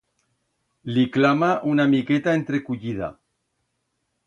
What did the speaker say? Li clama una miqueta entrecullida.